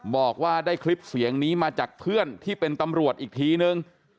บอกว่าได้คลิปเสียงนี้มาจากเพื่อนที่เป็นตำรวจอีกทีนึง